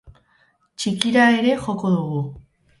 Txikira ere joko dugu.